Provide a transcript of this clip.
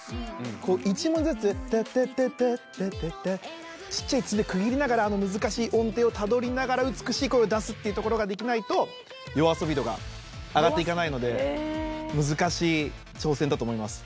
こう１文字ずつ「タタタタタタタ」ちっちゃい「つ」で区切りながらあの難しい音程をたどりながら美しい声を出すっていうところができないとＹＯＡＳＯＢＩ度が上がっていかないので難しい挑戦だと思います